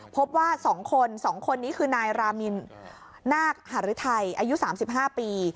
พบว่า๒คน๒คนนี้คือนายรามินนาคหารือไทยอายุ๓๕ปี